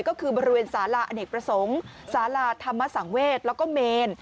ก็คือบริเวณสาราอเนกประสงค์สาราธรรมสังเวศแล้วก็เมน